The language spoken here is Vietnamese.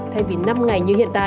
thay vì năm ngày như hiện tại